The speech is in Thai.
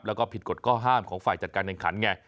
แล้วก็ผิดกฎก็ห้ามของฝ่ายจัดการในสนามไง